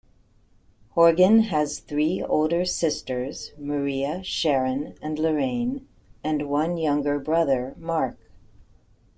Horgan has three older sisters Maria, Sharon and Lorraine and one younger brother, Mark.